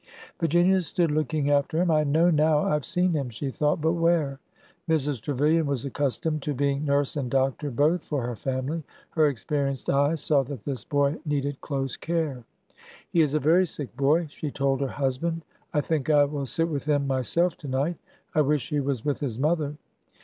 Virginia stood looking after him. " I know now I Ve seen him,^' she thought, ''but where?'' Mrs. Trevilian was accustomed to being nurse and doc tor both for her family. Her experienced eye saw that this boy needed close care. " He is a very sick boy," she told her husband. " I think I will sit with him myself to night. I wish he was with his mother